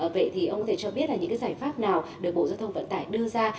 vậy thì ông thể cho biết là những cái giải pháp nào được bộ giao thông vận tải đưa ra